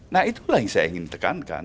nah itulah yang saya ingin tekankan